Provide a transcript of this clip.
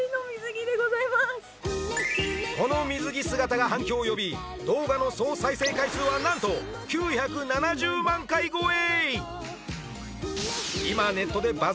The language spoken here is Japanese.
この水着姿が反響を呼び動画の総再生回数はなんと９７０万回超え